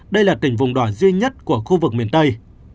đây là tỉnh vùng đỏ duy nhất của khu vực miền tây